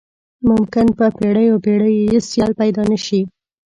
ممکن په پیړیو پیړیو یې سیال پيدا نه شي.